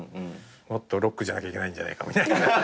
もっとロックじゃなきゃいけないんじゃないかみたいな。